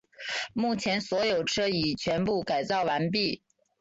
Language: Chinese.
目前所有车已全部改造完毕。